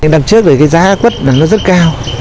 đằng trước thì cái giá quất nó rất cao